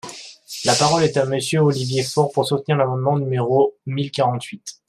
La parole est à Monsieur Olivier Faure, pour soutenir l’amendement numéro mille quarante-huit.